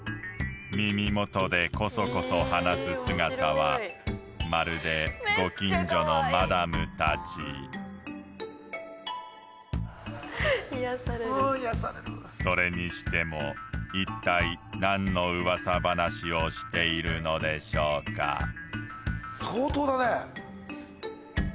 耳元でこそこそ話す姿はまるでご近所のマダムたち・癒やされるああ癒やされるそれにしても一体何の噂話をしているのでしょうか相当だね